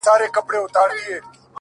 هغه وه تورو غرونو ته رويا وايي”